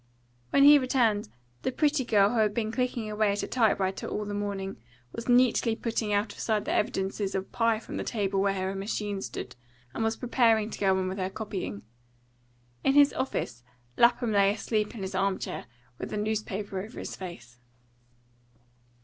When he returned, the pretty girl who had been clicking away at a type writer all the morning was neatly putting out of sight the evidences of pie from the table where her machine stood, and was preparing to go on with her copying. In his office Lapham lay asleep in his arm chair, with a newspaper over his face.